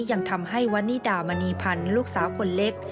ยังทำให้วันนิดามณีพันธ์ลูกสาวคนเล็ก